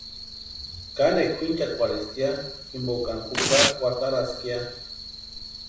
Kanekwa kwʼinchakwarhesti ya jimpokani jukari kwataraska ya.